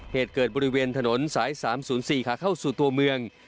เหตุเกิดบริเวณถนนสาย๓๐๔ขาเข้าสู่ตัวเมือง